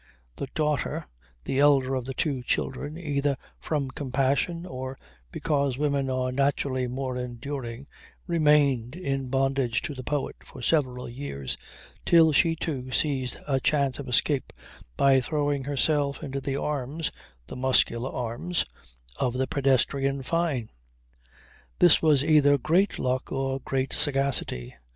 The daughter (the elder of the two children) either from compassion or because women are naturally more enduring, remained in bondage to the poet for several years, till she too seized a chance of escape by throwing herself into the arms, the muscular arms, of the pedestrian Fyne. This was either great luck or great sagacity.